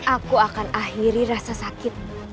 aku akan akhiri rasa sakit